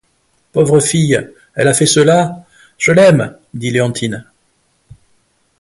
Pauvre fille! elle a fait cela ! je l’aime !... dit Léontine.